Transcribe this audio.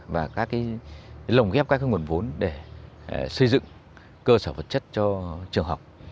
và các lồng ghép các nguồn vốn để xây dựng cơ sở vật chất cho trường học